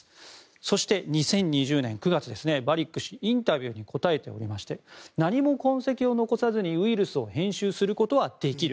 そして２０２０年９月バリック氏インタビューに答えていまして何も痕跡を残さずにウイルスを編集することはできる。